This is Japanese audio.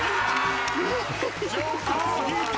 ジョーカーを引いた！